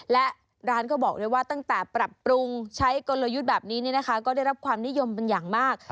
และร้านก็บอกด้วยว่าตั้งแต่ปรับปรุงใช้กลยุทธ์แบบนี้ก็ได้รับความนิยมเป็นอย่างมาก